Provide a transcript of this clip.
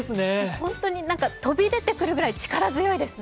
ホントに飛び出てくるぐらい力強いですね。